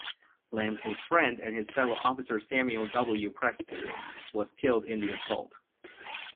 Lamson's friend and fellow officer Samuel W. Preston was killed in the assault.